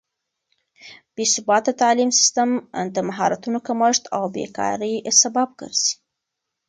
بې ثباته تعليم سيستم د مهارتونو کمښت او بې کارۍ سبب ګرځي.